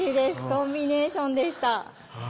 コンビネーションでした。